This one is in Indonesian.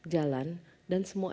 jalan dan semua